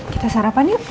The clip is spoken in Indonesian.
kita sarapan yuk